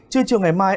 chưa chiều ngày mai